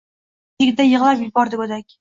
Beshigida yigʻlab yubordi goʻdak.